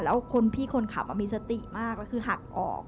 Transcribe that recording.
แล้วคนพี่คนขับมีสติมากแล้วคือหักออก